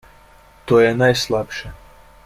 To je najslabše.